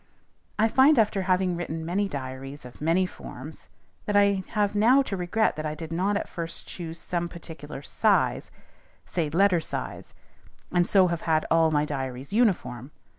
I find after having written many diaries of many forms, that I have now to regret I did not at first choose some particular size, say "letter size," and so have had all my diaries uniform.